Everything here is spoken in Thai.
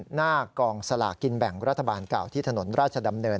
หน้ากองสลากกินแบ่งรัฐบาลเก่าที่ถนนราชดำเนิน